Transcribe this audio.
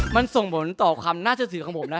มันส่งเหนือนกับหน้าเจ้าสื่อของผมนะ